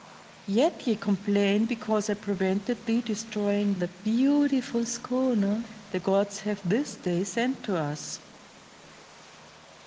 Yet ye complain because I prevented thee destroying the beautiful schooner the gods have this day sent to us!"